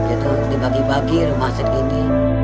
itu dibagi bagi rumah segini